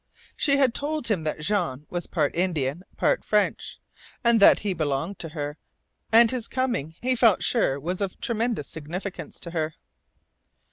She had told him that Jean was part Indian, part French, and that he "belonged to her." And his coming, he felt sure, was of tremendous significance to her.